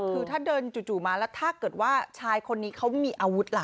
คือถ้าเดินจู่มาแล้วถ้าเกิดว่าชายคนนี้เขามีอาวุธล่ะ